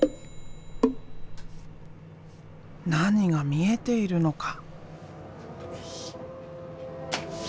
何が見えているのか？